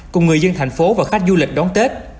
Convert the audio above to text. cùng người dân thành phố và khách du lịch đón tết